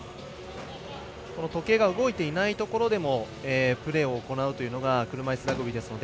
時計が動いていないところでもプレーを行うというのが車いすラグビーですので。